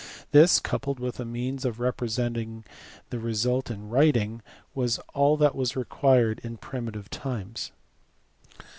This, coupled with a means of representing the result in writing, all that was required in primitive times.